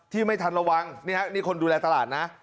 ไม่ทันระวังนี่ฮะนี่คนดูแลตลาดนะ